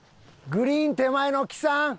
グリーン手前の木さん。